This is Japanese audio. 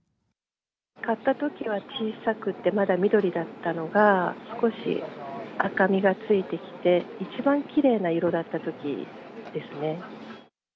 買ったときは小さくてまだ緑だったのが、少し赤みがついてきて、一番きれいな色だったときですね。